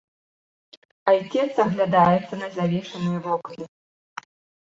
Айцец аглядаецца на завешаныя вокны.